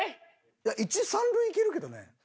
いや一三塁いけるけどね。